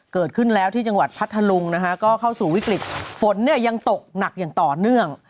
เกิดขึ้นแล้วที่จังหวัดพัทธลุงนะคะก็เข้าสู่วิกฤตฝนเนี่ยยังตกหนักอย่างต่อเนื่อง